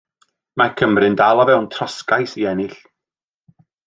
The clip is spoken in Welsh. Mae Cymru'n dal o fewn trosgais i ennill.